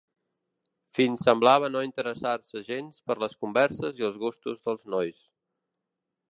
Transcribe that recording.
Fins semblava no interessar-se gens per les converses i els gustos dels nois.